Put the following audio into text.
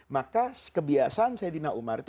maka kebiasaan saidina umar itu